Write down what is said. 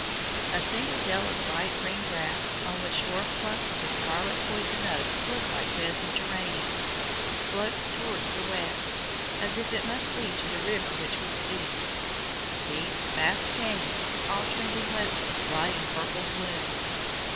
A single dell of bright green grass, on which dwarf clumps of the scarlet poison oak look like beds of geraniums, slopes towards the west, as if it must lead to the river which we seek. Deep, vast canyons, all trending westwards, lie in purple gloom.